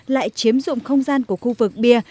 lại chiếm dụng không gian của khu vực bia